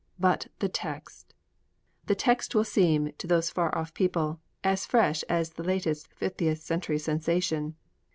But the text! The text will seem to those far off people as fresh as the latest fiftieth century sensation.